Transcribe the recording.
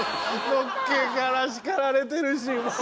のっけから叱られてるしもう！